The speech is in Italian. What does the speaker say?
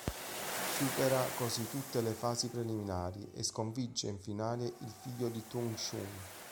Supera così tutte le fasi preliminari e sconfigge in finale il figlio di Tung-Shun.